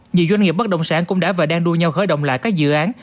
nhiều doanh nghiệp bất động sản cũng đã và đang đua nhau khởi động lại các dự án